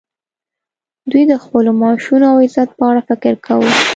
دوی د خپلو معاشونو او عزت په اړه فکر کاوه